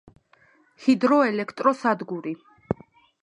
ჰიდროელექტროსადგური